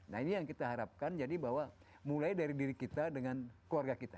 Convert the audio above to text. nah ini yang kita harapkan jadi bahwa mulai dari diri kita dengan keluarga kita